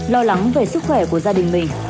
lo lắng về sức khỏe của gia đình mình